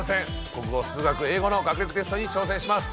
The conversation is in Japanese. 国語数学英語の学力テストに挑戦します。